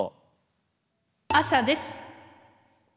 朝です。